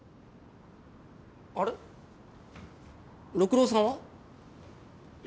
あれ六郎さんは？え？